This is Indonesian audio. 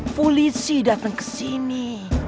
polisi datang kesini